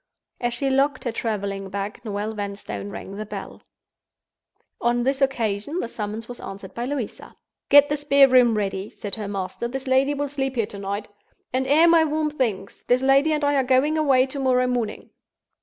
As she locked her traveling bag Noel Vanstone rang the bell. On this occasion, the summons was answered by Louisa. "Get the spare room ready," said her master; "this lady will sleep here to night. And air my warm things; this lady and I are going away to morrow morning."